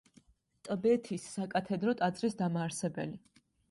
ტბეთის საკათედრო ტაძრის დამაარსებელი.